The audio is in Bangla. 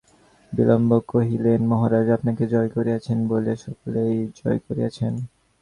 বিল্বন কহিলেন, মহারাজ, আপনাকে জয় করিয়াছেন বলিয়া সকলকেই জয় করিয়াছেন।